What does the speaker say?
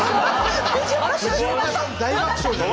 藤岡さん大爆笑じゃん。